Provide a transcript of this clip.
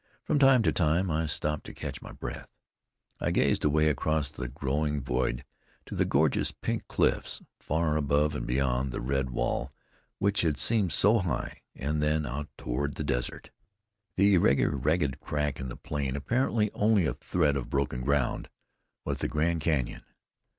From time to time, as I stopped to catch my breath I gazed away across the growing void to the gorgeous Pink Cliffs, far above and beyond the red wall which had seemed so high, and then out toward the desert. The irregular ragged crack in the plain, apparently only a thread of broken ground, was the Grand Canyon.